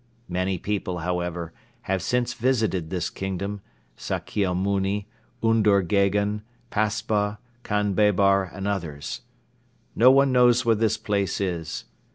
Many people, however, have since visited this kingdom, Sakkia Mouni, Undur Gheghen, Paspa, Khan Baber and others. No one knows where this place is.